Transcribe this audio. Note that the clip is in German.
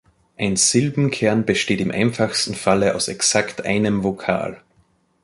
Ein Silbenkern besteht im einfachsten Falle aus exakt einem Vokal.